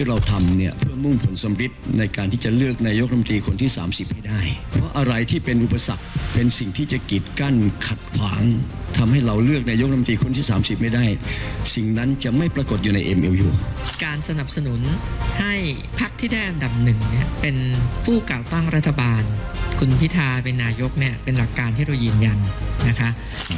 การสนับสนุนให้ภาคที่แดดอันดับหนึ่งเป็นผู้ก่าวต้องรัฐบาลคุณพิทาเป็นนายกเป็นหลักการที่เรายืนยันนะคะ